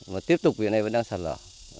và tiếp tục hiện nay vẫn đang sạt lở